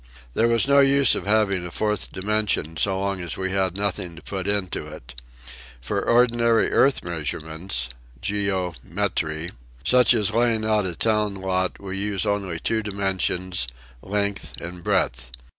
There was no use having a fourth dimension so long as we had nothing to put in it. For ordinary earth measurements (geo metry) such as laying out a town lot we only use two dimen sions, length and breadth.